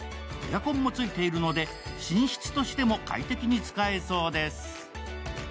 エアコンもついているので、寝室としても快適に使えそうです。